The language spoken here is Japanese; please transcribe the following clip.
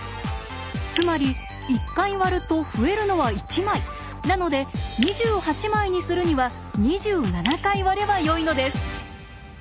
つまり１回割ると増えるのは１枚なので２８枚にするには２７回割ればよいのです。